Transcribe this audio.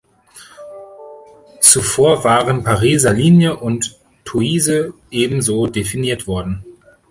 Zuvor waren Pariser Linie und Toise eben so definiert worden.